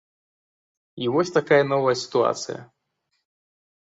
І вось такая новая сітуацыя.